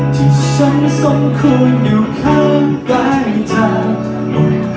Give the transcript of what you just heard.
ที่ฉันสมควรอยู่ข้างใกล้เธอ